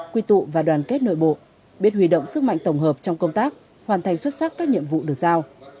quy tụ và đoàn kết nội bộ biết huy động sức mạnh tổng hợp trong công tác hoàn thành xuất sắc các nhiệm vụ được giao